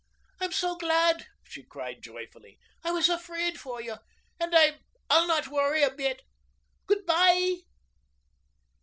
"I'm so glad," she cried joyfully. "I was afraid for you. And I'll not worry a bit. Good bye."